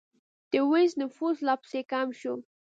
د وینز نفوس لا پسې کم شو